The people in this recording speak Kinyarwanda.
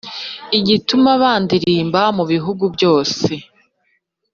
igituma bandilimba mu bihugu byose,